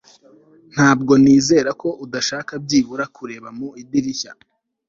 Ntabwo nizera ko udashaka byibura kureba mu idirishya